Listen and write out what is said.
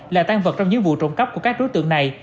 là tan vật trong những vụ trộm cắp của các đối tượng này